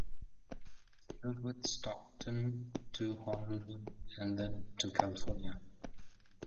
He sailed with Stockton to Honolulu, and then to California.